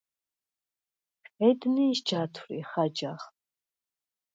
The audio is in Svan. ხედ ნინს ჯათვრიხ აჯაღ?